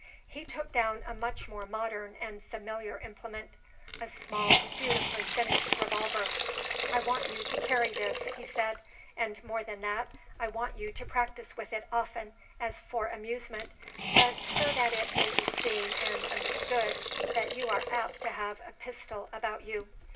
He took down a much more modern and familiar implement, a small, beautifully finished revolver. "I want you to carry this," he said; "and more than that, I want you to practise with it often, as for amusement, but so that it maybe seen and understood that you are apt to have a pistol about you.